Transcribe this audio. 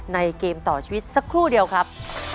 เกมต่อชีวิตสักครู่เดียวครับ